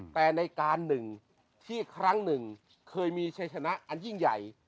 แต่ในการหนึ่งที่ครั้งหนึ่งเคยมีชัยชนะอันยิ่งใหญ่